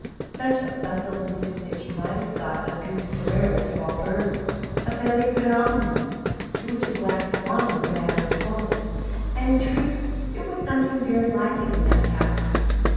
Such a bustle ensued that you might have thought a goose the rarest of all birds a feathered phenomenon, to which a black swan was a matter of course and in truth it was something very like it in that house.